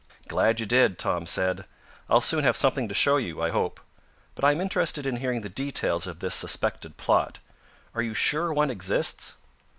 "Glad you did," Tom said. "I'll soon have something to show you, I hope. But I am interested in hearing the details of this suspected plot. Are you sure one exists?"